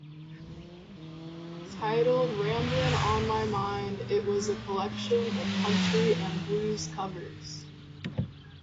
Titled "Ramblin' on My Mind", it was a collection of country and blues covers.